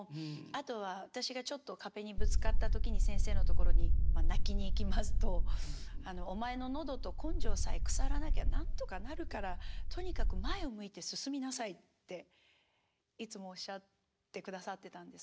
あとは私がちょっと壁にぶつかった時に先生のところにまあ泣きに行きますと「お前の喉と根性さえ腐らなきゃなんとかなるからとにかく前を向いて進みなさい」っていつもおっしゃってくださってたんです。